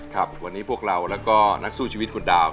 ครับวันนี้พวกเราแล้วก็นักสู้ชีวิตคุณดาว